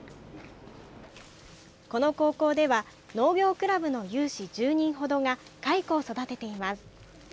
この高校では農業クラブの有志１０人ほどが蚕を育てています。